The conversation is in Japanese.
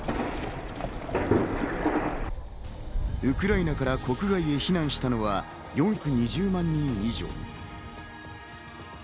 ウクライナから国外へ避難したのは４２４万人以上。